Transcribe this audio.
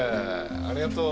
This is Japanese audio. ありがとう。